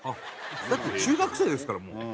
だって中学生ですからもう。